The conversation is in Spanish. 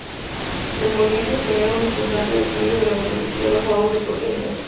El movimiento genera un importante despliegue de la policía los sábados de protestas.